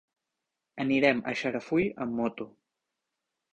Anirem a Xarafull amb moto.